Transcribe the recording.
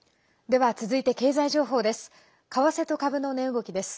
では続いて経済情報です。